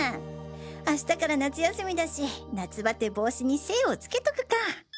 明日から夏休みだし夏バテ防止に精をつけとくか！